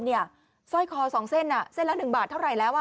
สร้อยคอ๒เส้นเส้นละ๑บาทเท่าไหร่แล้ว